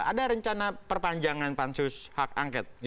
ada rencana perpanjangan pansus hak angket